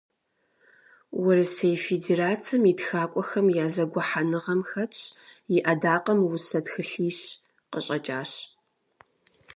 Урысей Федерацэм и ТхакӀуэхэм я зэгухьэныгъэм хэтщ, и Ӏэдакъэм усэ тхылъищ къыщӀэкӀащ.